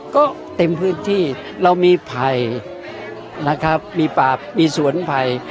ก็เต็มพื้นที่เรามีไผ่นะครับมีป่ามีสวนไผ่